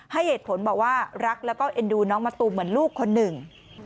ให้เหตุผลบอกว่ารักแล้วก็เอ็นดูน้องมะตูมเหมือนลูกคนหนึ่ง